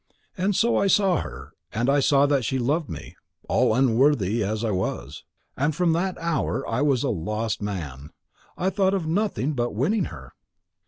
And so I saw her, and saw that she loved me all unworthy as I was; and from that hour I was a lost man; I thought of nothing but winning her."